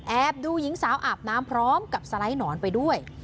ดูหญิงสาวอาบน้ำพร้อมกับสไลด์หนอนไปด้วย